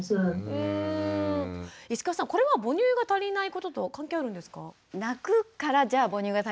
石川さんこれは母乳が足りないこととは関係あるんですかね？